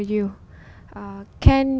tôi là hang